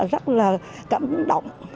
rất là cảm động